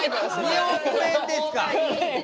２億円ですか？